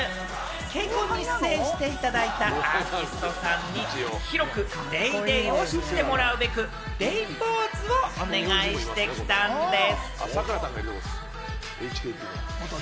ＫＣＯＮに出演していただいたアーティストさんに広くＤａｙポーズを知ってもらうべく、Ｄポーズをお願いしてきたんでぃす。